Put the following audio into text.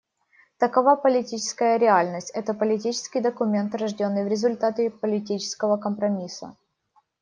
Такова политическая реальность: это политический документ, рожденный в результате политического компромисса.